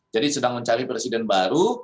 sedang mencari presiden baru